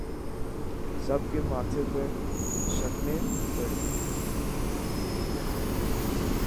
سب کے ماتھے پر شکنیں پڑ گئیں